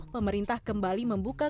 pemerintah kembali membuka